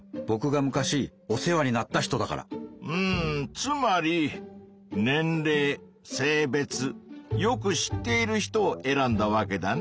つまり年れい性別よく知っている人を選んだわけだね。